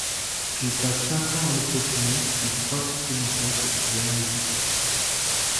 Elle passe cinq ans à le peaufiner, puis trois supplémentaires pour trouver un éditeur.